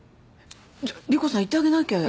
じゃ莉湖さん行ってあげなきゃ。